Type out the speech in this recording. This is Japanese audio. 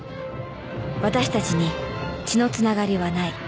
［私たちに血のつながりはない］